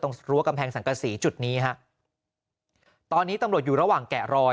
รั้วกำแพงสังกษีจุดนี้ฮะตอนนี้ตำรวจอยู่ระหว่างแกะรอย